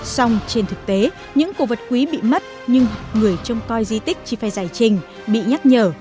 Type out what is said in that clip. xong trên thực tế những cổ vật quý bị mất nhưng người trông coi di tích chỉ phải giải trình bị nhắc nhở